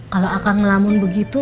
kalo akang ngelamun begitu